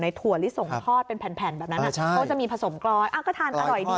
ในถั่วลิสงทอดเป็นแผ่นแบบนั้นนะเขาจะมีผสมกรอยก็ทาน